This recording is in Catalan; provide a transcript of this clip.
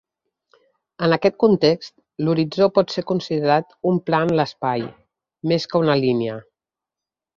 En aquest context, l'horitzó pot ser considerat un pla en l'espai, més que una línia.